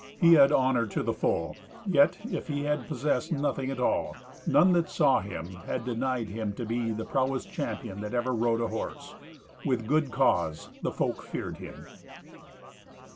He had honour to the full; yet, if he had possessed nothing at all, none that saw him had denied him to be the prowest champion that ever rode a horse. With good cause the folk feared him.